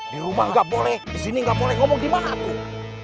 di rumah gak boleh disini gak boleh ngomong dimana tuh